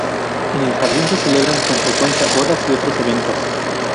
En el jardín se celebran con frecuencia bodas y otros eventos.